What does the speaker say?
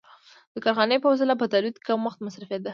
د کارخانې په وسیله په تولید کم وخت مصرفېده